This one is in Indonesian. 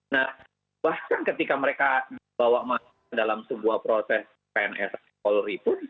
nah bahkan ketika mereka dibawa masuk ke dalam sebuah proses pns polri pun